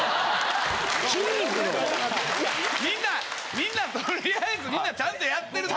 みんなみんなとりあえずみんなちゃんとやってると。